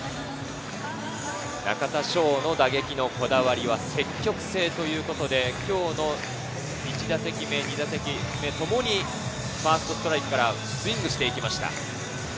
中田翔の打撃のこだわりは「積極性」ということで、今日の１打席目、２打席目ともに、ファーストストライクからスイングして行きました。